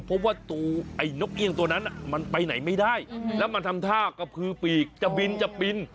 เพราะว่าตัวไอ้นกเอี่ยงตัวนั้นมันไปไหนไม่ได้แล้วมันทำท่ากระพือปีกจะบินจะบิน